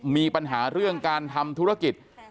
มีปัญหาเรื่องการทำธุรกิจ